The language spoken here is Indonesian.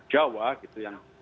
jawa gitu yang